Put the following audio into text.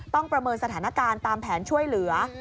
ประเมินสถานการณ์ตามแผนช่วยเหลือ